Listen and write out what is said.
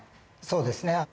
そうですね。